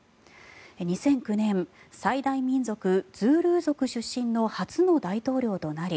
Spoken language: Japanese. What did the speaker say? ２００９年最大民族ズールー族出身の初の大統領となり